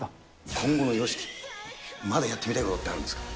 今後のＹＯＳＨＩＫＩ、まだやってみたいことってあるんですか？